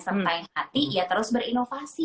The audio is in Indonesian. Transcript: sertain hati ya terus berinovasi